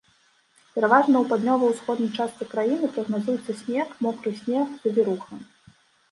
Пераважна у паўднёва-ўсходняй частцы краіны прагназуецца снег, мокры снег, завіруха.